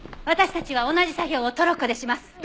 私たちは同じ作業をトロッコでします！